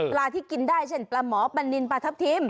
ที่กินได้เช่นปลาหมอปลานินปลาทับทิม